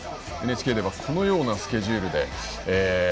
ＮＨＫではこのようなスケジュールです。